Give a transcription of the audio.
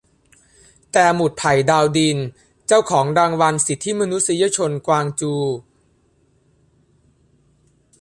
แต่"หมุดไผ่ ดาวดิน" เจ้าของรางวัลสิทธิมนุษยชนกวางจู"